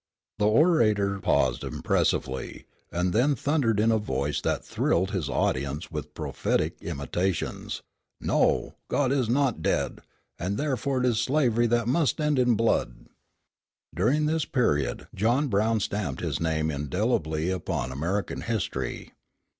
The orator paused impressively, and then thundered in a voice that thrilled his audience with prophetic intimations, "No, God is not dead; and therefore it is that slavery must end in blood!" During this period John Brown stamped his name indelibly upon American history.